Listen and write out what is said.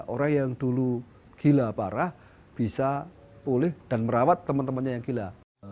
orang yang dulu gila parah bisa pulih dan merawat teman temannya yang gila